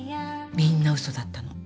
みんなウソだったの。